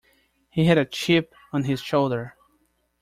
He had a chip on his shoulder.